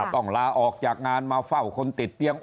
ต้องลาออกจากงานมาเฝ้าคนติดเตียง